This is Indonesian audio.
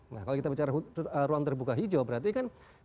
nah kalau kita bicara ruang terbuka hijau berarti kan